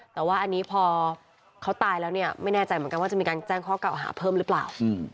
แต่ว่าอันนี้พอเขาตายแล้วเนี่ยไม่แน่ใจเหมือนกันว่าจะมีการแจ้งข้อเก่าหาเพิ่มหรือเปล่า